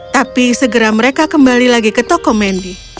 tapi segera mereka kembali lagi ke toko mendy